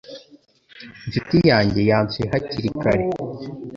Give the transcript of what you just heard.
Inshuti yanjye yansuye hakiri kare